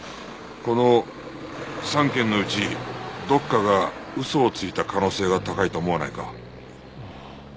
この３軒のうちどっかが嘘をついた可能性が高いと思わないか？